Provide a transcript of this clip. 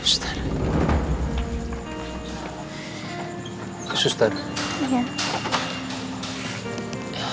saya juga baik baik aja